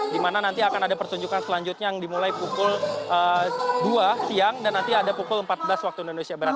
di mana nanti akan ada pertunjukan selanjutnya yang dimulai pukul dua siang dan nanti ada pukul empat belas waktu indonesia barat